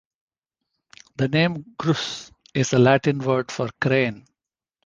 The name "Grus" is the Latin word for "crane".